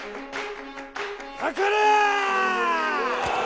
かかれ！